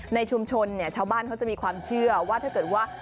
ในชุมชนเนี่ยชาวบ้านเขาจะมีความเชื่อว่าถ้าเกิดว่า